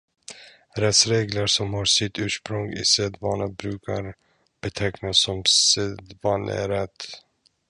Rättsregler som har sitt ursprung i sedvana brukar betecknas som sedvanerätt.